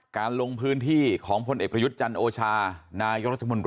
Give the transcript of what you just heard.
การลงพื้นที่ของพลเอกระยุรยุชย์จันโอชานายรัฐมนตรย์